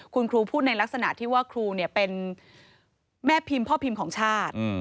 คุณครูพูดในลักษณะที่ว่าครูเป็นแม่พิมพ์พ่อพิมพ์ของชาติ